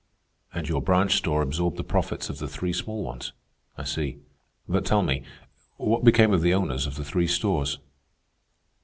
"And your branch store absorbed the profits of the three small ones. I see. But tell me, what became of the owners of the three stores?"